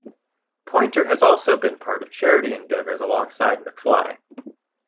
Poynter has also been part of charity endeavors alongside McFly.